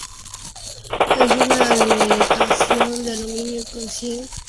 Es una aleación de aluminio con zinc como principal elemento de aleación.